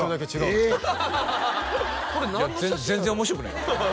いや全然面白くないよ